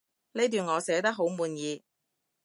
呢段我寫得好滿意